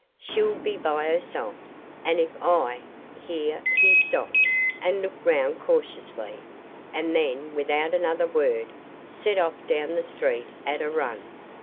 She'll be by herself, and if I ' here he stopped and looked round cautiously, and then, without another word, set off down the street at a run.